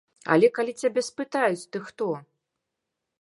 Але калі цябе спытаюць ты хто?